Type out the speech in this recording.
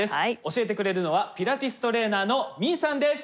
教えてくれるのはピラティストレーナーのｍｉｅｙさんです！